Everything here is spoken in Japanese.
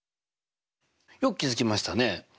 よく気付きましたね！